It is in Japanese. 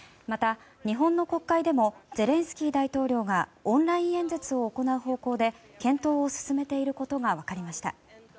また、日本の国会でもゼレンスキー大統領がオンライン演説を行う方向で検討を進めていることが分かりました。